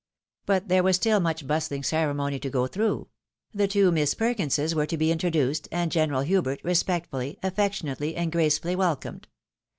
But there was stiU much bustling ceremony to go through ; the two Miss Perkinses were to be introduced, and General Hubert respectfully, affection ately, and gracefuUy welcomed.